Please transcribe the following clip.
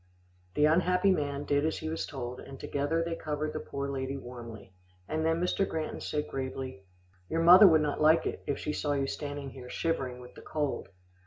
The unhappy man did as he was told, and together they covered the poor lady warmly, and then Mr. Granton said gravely, "Your mother would not like it, if she saw you standing here shivering with the cold."